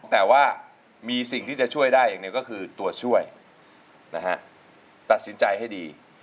แต่ว่ามีสิ่งที่จะช่วยได้อย่างหนึ่งก็คือตัวช่วยนะฮะตัดสินใจให้ดี